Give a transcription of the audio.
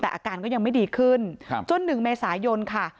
แต่อาการก็ยังไม่ดีขึ้นจน๑เมษายนค่ะ